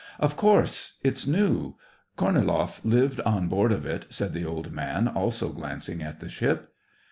Of course ; it's new. Korniloff lived on board of it," said the old man, also glancing at the ship.